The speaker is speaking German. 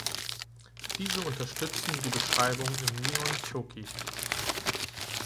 Diese unterstützen die Beschreibung im "Nihon Shoki".